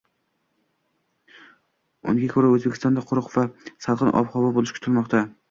Unga ko‘ra, O‘zbekistonda quruq va salqin ob-havo bo‘lishi kutilmoqda